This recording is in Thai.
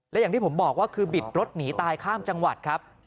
และอย่างที่ผมบอกว่าคือบิดรถหนีตายข้ามจังหวัดครับ